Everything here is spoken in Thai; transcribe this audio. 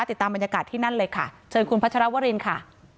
ติดตามบรรยากาศที่นั่นเลยค่ะเชิญคุณพัชรวรินค่ะ